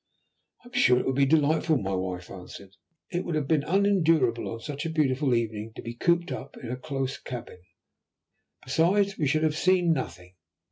"I am sure it will be delightful," my wife answered. "It would have been unendurable on such a beautiful evening to be cooped up in a close cabin. Besides, we should have seen nothing."